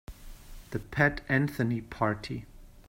The Pat Anthony Party.